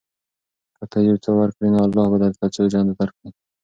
که ته یو څه ورکړې نو الله به درته څو چنده درکړي.